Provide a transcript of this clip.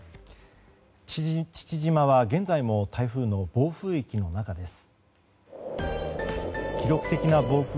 父島は現在も台風の暴風域の中です。